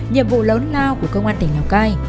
nhiệm vụ lớn lao của công an tỉnh lào cai